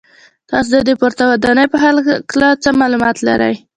تاسو د دې پورته ودانۍ په هکله څه معلومات لرئ.